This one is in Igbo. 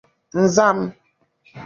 Nzam